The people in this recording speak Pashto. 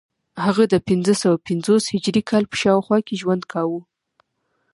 هغه د پنځه سوه پنځوس هجري کال په شاوخوا کې ژوند کاوه